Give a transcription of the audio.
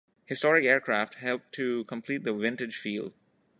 Historic aircraft help to complete the vintage feel.